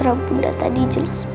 suara bunda tadi jelas banget